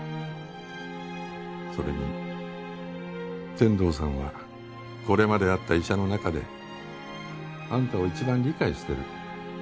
それに天堂さんはこれまで会った医者の中であんたを一番理解してる。